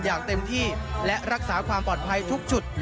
อย่างเต็มที่และรักษาความปลอดภัยทุกจุด